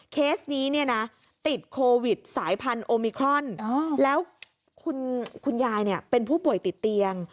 เคสนี้เนี่ยนะติดโควิดสายพันธุมิครอนแล้วคุณยายเป็นผู้ป่วยติดเตียง